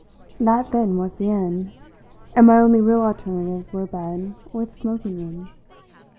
That then was the end, and my only real alternatives were bed or the smoking room.